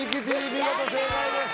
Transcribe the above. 見事正解です